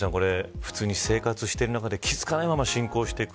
普通に生活している中で気付かないまま、進行していく。